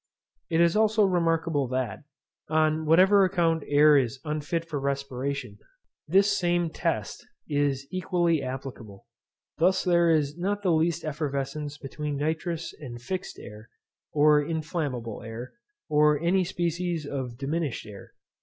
It is also remarkable that, on whatever account air is unfit for respiration, this same test is equally applicable. Thus there is not the least effervescence between nitrous and fixed air, or inflammable air, or any species of diminished air.